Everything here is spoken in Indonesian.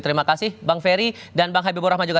terima kasih bang ferry dan bang habibur rahman juga